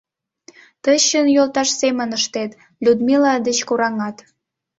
— Тый чын йолташ семын ыштет: Людмила деч кораҥат!